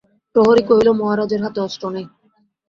প্রহরী কহিল, মহারাজের হাতে অস্ত্র নাই!